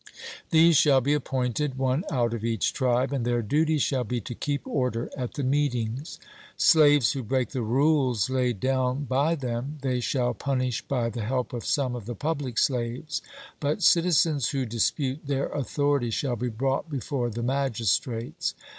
These shall be appointed, one out of each tribe, and their duty shall be to keep order at the meetings: slaves who break the rules laid down by them, they shall punish by the help of some of the public slaves; but citizens who dispute their authority shall be brought before the magistrates.